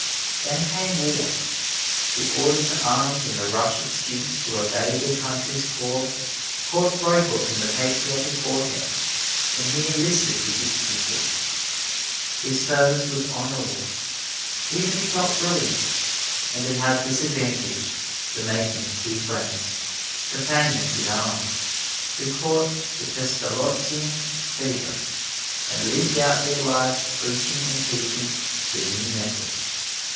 Then came war. The order to arms and the rush of students to obey their country's call caught Froebel in the patriotic vortex, and he enlisted with his pupils. His service was honorable, even if not brilliant, and it had this advantage: the making of two friends, companions in arms, who caught the Pestalozzian fever, and lived out their lives preaching and teaching "the new method."